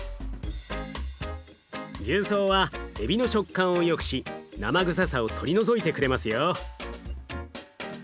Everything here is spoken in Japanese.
重曹はえびの食感をよくし生臭さを取り除いてくれますよ。